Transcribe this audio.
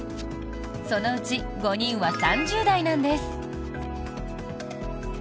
そのうち５人は３０代なんです。